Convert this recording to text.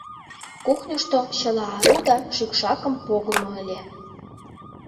Кухньышто чыла ару да шӱкшакым погымо ыле.